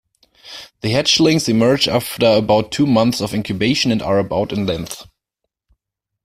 The hatchlings emerge after about two months of incubation and are about in length.